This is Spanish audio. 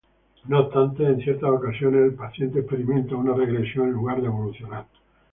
No obstante, en ciertas ocasiones el paciente experimenta una regresión en lugar de evolucionar.